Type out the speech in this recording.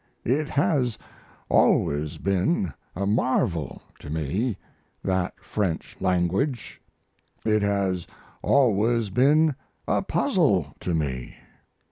It has always been a marvel to me that French language; it has always been a puzzle to me.